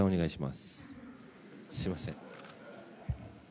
すみません。